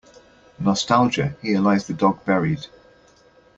Nostalgia Here lies the dog buried.